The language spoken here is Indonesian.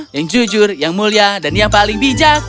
yang jujur yang mulia dan yang paling bijak